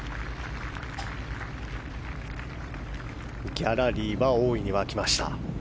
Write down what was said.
ギャラリーは大いに沸きました。